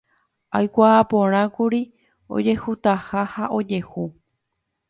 aikuaaporãkuri ojehutaha ha ojehu